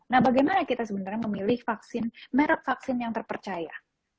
nah bagaimana kita sebenarnya memilih merek vaksin yang terpercaya